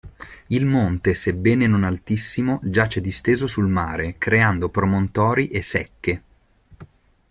Il monte, sebbene non altissimo, giace disteso sul mare, creando promontori e secche.